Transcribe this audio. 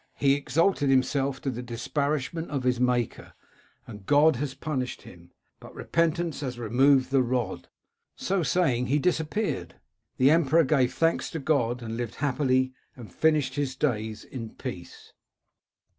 He exalted himself, to the disparagement of his Maker, and God has punished him. But repent ance has removed the rod.' So saying, he dis appeared. The emperor gave thanks to God, and lived happily, and finished his days in peace."